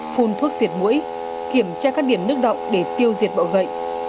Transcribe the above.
phun thuốc diệt mũi kiểm tra các điểm nước động để tiêu diệt bọ gậy